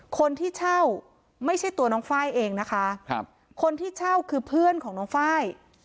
คนที่เช่าไม่ใช่ตัวน้องไฟล์เองนะคะครับคนที่เช่าคือเพื่อนของน้องไฟล์